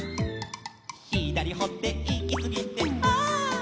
「ひだりほっていきすぎてはっ」